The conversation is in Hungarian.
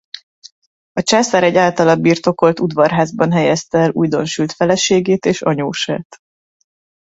A császár egy általa birtokolt udvarházban helyezte el újdonsült feleségét és anyósát.